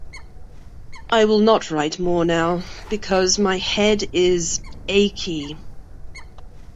I will not write more now, because my head is achy.